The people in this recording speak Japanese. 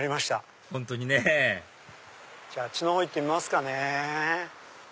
本当にねあっちの方行ってみますかね。